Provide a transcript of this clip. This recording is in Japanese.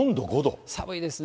寒いですね。